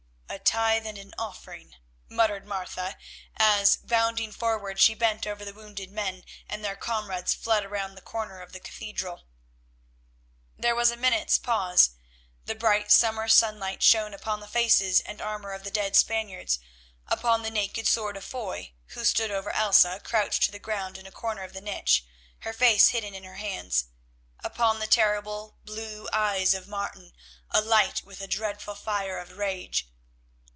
"A tithe and an offering!" muttered Martha as, bounding forward, she bent over the wounded men, and their comrades fled round the corner of the cathedral. There was a minute's pause. The bright summer sunlight shone upon the faces and armour of the dead Spaniards, upon the naked sword of Foy, who stood over Elsa crouched to the ground in a corner of the niche, her face hidden in her hands, upon the terrible blue eyes of Martin alight with a dreadful fire of rage.